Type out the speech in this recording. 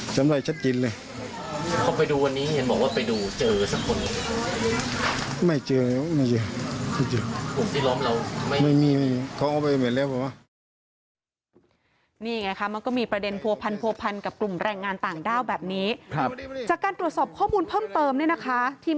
จำหน้าได้หมดไหม